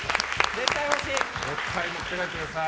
絶対持って帰ってください。